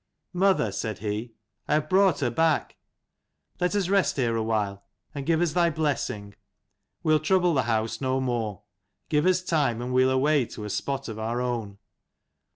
" Mother," said he, " I have brought her back. Let us rest here awhile : and give us thy blessing. We'll trouble the house no more : give us time, and we'll away to a spot of our own."